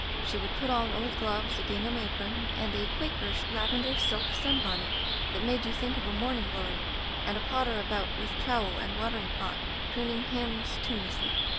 She would put on old gloves, a gingham apron, and a Quakerish lavender silk sunbonnet diat made you think of a morning glory, and potter about with trowel and watering pot, crooning hymns, tune lessly.